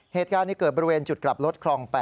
เหตุการณ์นี้เกิดบริเวณจุดกลับรถคลอง๘